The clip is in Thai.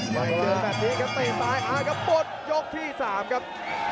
เจอแบบนี้ครับตีปลายอากระปดยกที่๓ครับ